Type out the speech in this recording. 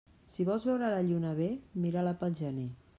Si vols veure la lluna bé, mira-la pel gener.